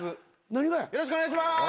よろしくお願いします。